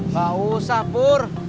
gak usah pur